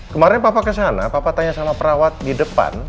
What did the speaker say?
kemarin papa kesana papa tanya sama perawat di depan